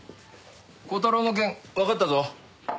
虎太郎の件わかったぞ。